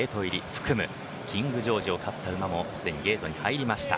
キングジョージを勝った馬もすでにゲートに入りました。